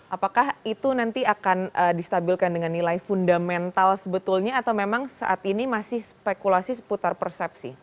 apakah itu nanti akan distabilkan dengan nilai fundamental sebetulnya atau memang saat ini masih spekulasi seputar persepsi